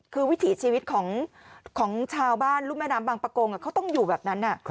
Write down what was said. คือวิถีชีวิตของชาวบ้านรุ่นแม่น้ำบางประกงเขาต้องอยู่แบบนั้น